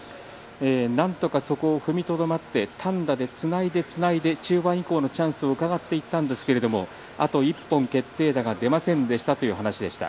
なんとか、そこを踏みとどまって単打でつないで、つないで中盤以降のチャンスをうかがっていったんですけどあと１本、決定打が出ませんでしたという話でした。